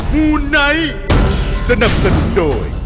มูไนท์สนับสนุนโดย